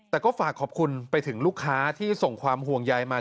แต่ก็ฝากขอบคุณไปถึงลูกค้าที่ส่งความห่วงใยมา